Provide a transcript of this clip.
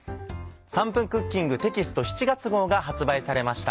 『３分クッキング』テキスト７月号が発売されました。